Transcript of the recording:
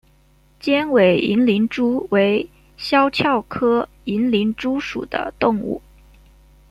尖尾银鳞蛛为肖峭科银鳞蛛属的动物。